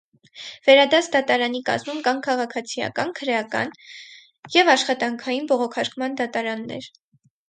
Վերադաս դատարանի կազմում կան քաղաքացիական, քրեական և աշխատանքային բողոքարկման դատարաններ։